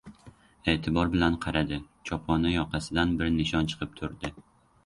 E’tibor bilan qaradi: choponi yoqasidan bir nishon chiqib turdi.